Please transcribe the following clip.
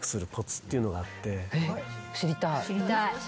知りたい。